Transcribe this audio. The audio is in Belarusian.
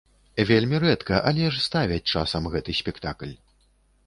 Вельмі рэдка, але ж ставяць часам гэты спектакль.